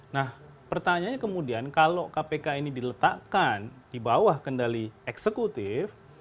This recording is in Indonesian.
nah pertanyaannya kemudian kalau kpk ini diletakkan di bawah kendali eksekutif